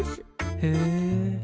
へえ。